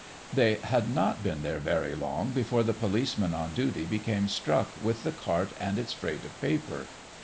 They had not been there very long before the policeman on duty became struck with the cart and its freight of paper.